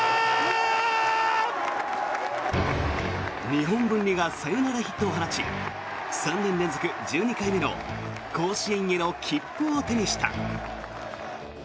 日本文理がサヨナラヒットを放ち３年連続１２回目の甲子園への切符を手にした。